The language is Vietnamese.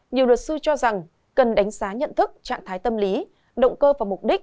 nhiều luật sư cho rằng cần đánh giá nhận thức trạng thái tâm lý động cơ và mục đích